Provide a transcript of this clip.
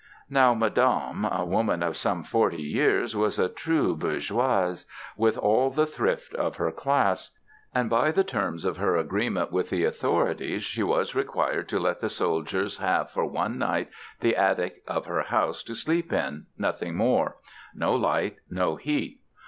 Now Madame, a woman of some forty years, was a true bourgeoise, with all the thrift of her class. And by the terms of her agreement with the authorities she was required to let the soldiers have for one night the attic of her house to sleep in nothing more; no light, no heat.